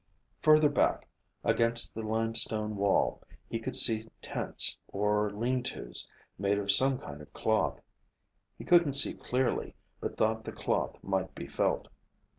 Further back, against the limestone wall, he could see tents or lean tos made of some kind of cloth. He couldn't see clearly, but thought the cloth might be felt.